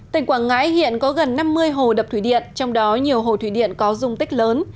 tỉnh quảng ngãi hiện có gần năm mươi hồ đập thủy điện trong đó nhiều hồ thủy điện có dung tích lớn